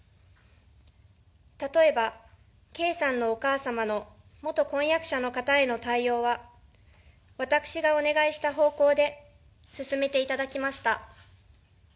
例えば、圭さんのお母様の元婚約者の方への対応は私がお願いした方向で進めていただきました。